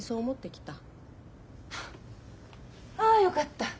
ハッあよかった。